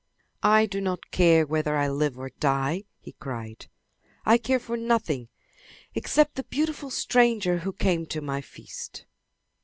"I do not care whether I live or die!" he cried. "I care for nothing except the beautiful stranger who came to my feast."